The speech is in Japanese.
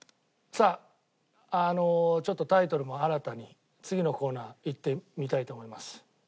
さああのちょっとタイトルも新たに次のコーナーいってみたいと思います。